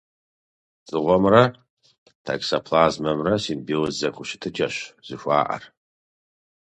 Дзыгъуэмрэ токсоплазмэмрэ симбиоз зэхущытыкӏэщ зэхуаӏэр.